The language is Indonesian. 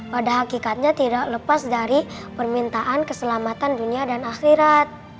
pada hakikatnya tidak lepas dari permintaan keselamatan dunia dan akhirat